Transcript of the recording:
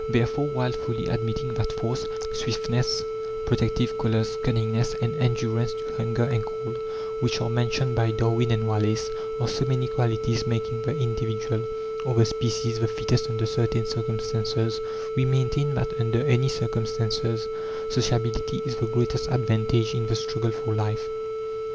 Therefore, while fully admitting that force, swiftness, protective colours, cunningness, and endurance to hunger and cold, which are mentioned by Darwin and Wallace, are so many qualities making the individual, or the species, the fittest under certain circumstances, we maintain that under any circumstances sociability is the greatest advantage in the struggle for life.